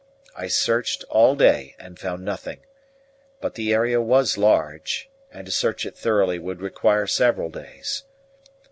I searched all day and found nothing; but the area was large, and to search it thoroughly would require several days.